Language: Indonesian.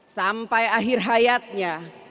sampai akhir hayatnya